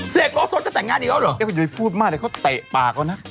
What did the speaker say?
เสกรถโซทจะแต่งงานอีกแล้วเหรอเย้ไหยพูดมากเค้าแต่ปากเขาน่ะ